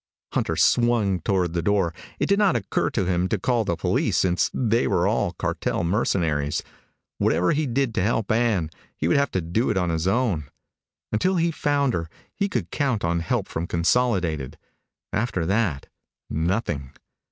Hunter swung toward the door. It did not occur to him to call the police, since they were all cartel mercenaries. Whatever he did to help Ann, he would have to do on his own. Until he found her, he could count on help from Consolidated. After that nothing.